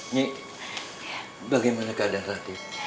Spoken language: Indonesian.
nyi bagaimana keadaan ratih